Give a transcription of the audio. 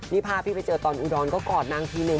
นี่ภาพพี่ไปเจอตอนอุดรก็กอดนางทีนึง